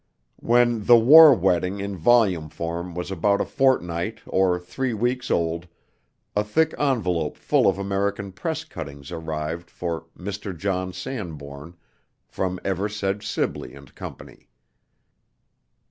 When "The War Wedding" in volume form was about a fortnight or three weeks old, a thick envelope full of American press cuttings arrived for "Mr. John Sanbourne," from Eversedge Sibley and Company.